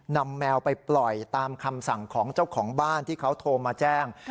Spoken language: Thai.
แมวไปปล่อยตามคำสั่งของเจ้าของบ้านที่เขาโทรมาแจ้ง